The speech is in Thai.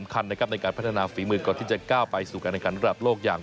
คันนะครับในการพัฒนาฝีมือก่อนที่จะก้าวไปสู่การแข่งขันระดับโลกอย่าง